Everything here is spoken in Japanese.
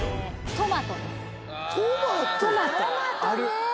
・トマトねある！